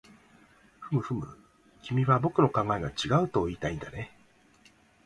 ふむふむ、君は僕の考えが違うといいたいんだね